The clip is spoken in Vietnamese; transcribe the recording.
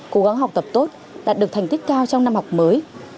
cố gắng học tập tốt đạt được thành tích cao trong năm học mới